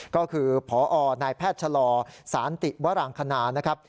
ก็คือพอนแพทย์ชะลอสติวรังคณา